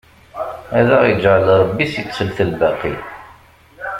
Ad aɣ-iǧɛel Ṛebbi si ttelt lbaqi!